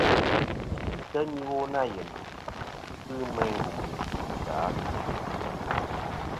Yì teyn iwo nâ yenì , ghɨ bɨ meyn gumnɨ chwosɨ atu.